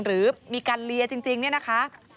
หรือมีการเลียจริงเนี่ยนะคะ